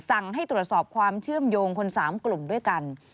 สั่งให้ตรวจสอบความเชื่อมโยงคน๓กลุ่มด้วยกัน